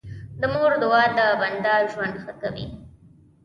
د مور دعا د بنده ژوند ښه کوي.